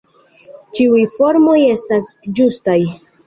Ĉiuj formoj estas ĝustaj.